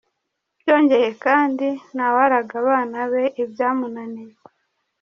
Byongeye kandi, nta waraga abana be ibyamunaniye.